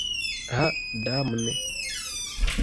Ha damne!